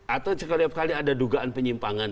atau sekali ada dugaan penyimpangan